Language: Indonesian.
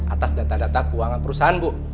atas data data keuangan perusahaan bu